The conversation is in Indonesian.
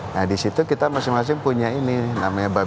nah di situ kita masing masing punya ini namanya baby